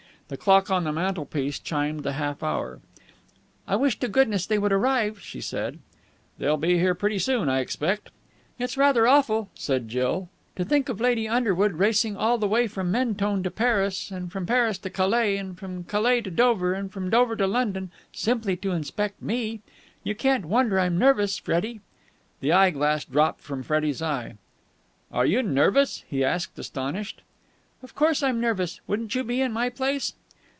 The clock on the mantelpiece chimed the half hour. "I wish to goodness they would arrive," she said. "They'll be here pretty soon, I expect." "It's rather awful," said Jill, "to think of Lady Underhill racing all the way from Mentone to Paris and from Paris to Calais and from Calais to Dover and from Dover to London simply to inspect me. You can't wonder I'm nervous, Freddie." The eye glass dropped from Freddie's eye. "Are you nervous?" he asked, astonished. "Of course I'm nervous. Wouldn't you be in my place?"